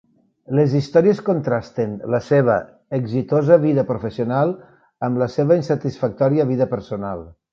Les històries contrasten la seva exitosa vida professional amb la seva insatisfactòria vida personal.